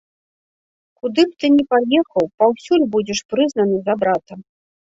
Куды б ты ні паехаў, паўсюль будзеш прызнаны за брата.